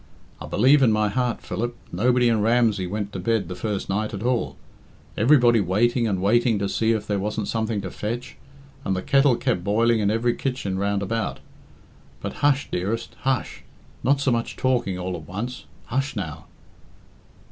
I believe in my heart, Philip, nobody in Ramsey went to bed the first night at all. Everybody waiting and waiting to see if there wasn't something to fetch, and the kettle kept boiling in every kitchen round about. But hush, dearest, hush! Not so much talking all at once. Hush, now!"